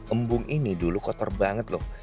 embung ini dulu kotor banget loh